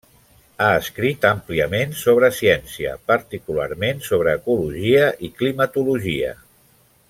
Ha escrit àmpliament sobre ciència, particularment sobre ecologia i climatologia.